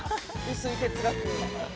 薄い哲学。